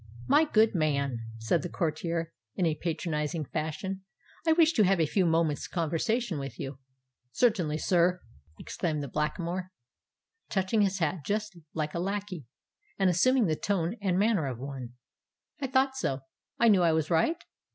"My good man," said the courtier, in a patronising fashion, "I wish to have a few moments' conversation with you." "Certainly, sir," exclaimed the Blackamoor, touching his hat just like a lacquey, and assuming the tone and manner of one. "I thought so—I knew I was right?"